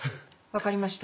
分かりました。